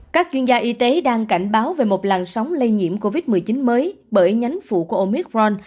các chuyên gia y tế đang cảnh báo về một làn sóng lây nhiễm covid một mươi chín mới bởi nhánh phụ của omicron